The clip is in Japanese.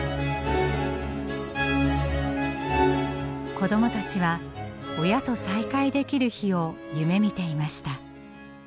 子どもたちは親と再会できる日を夢みていました。